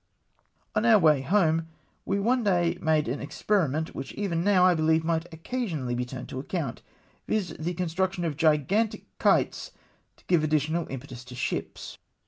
On our way home, we one day made an experiment which even now^ I beheve might occasionally be turned to account ; viz. the construction of gigantic kites to give additional impetus to ships.